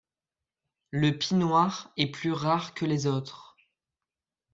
Le pie-noir est plus rare que les autres.